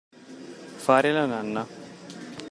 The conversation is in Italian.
Fare la nanna.